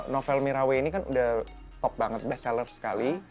novel mirawe ini kan udah top banget best seller sekali